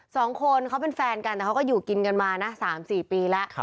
สองคนเขาเป็นแฟนกันแต่เขาก็อยู่กินกันมานะ๓๔ปีแล้ว